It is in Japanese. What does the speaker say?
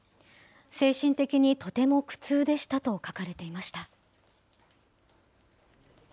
精神的にとても苦痛でしたと書かれていました。